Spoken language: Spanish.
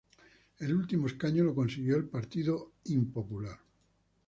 El último escaño lo consiguió el Partido Popular.